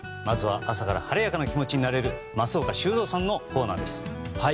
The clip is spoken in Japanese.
まずは朝から晴れやかな気持ちになれる松岡修造さんのコーナーです。